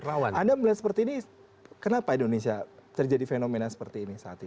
anda melihat seperti ini kenapa indonesia terjadi fenomena seperti ini saat ini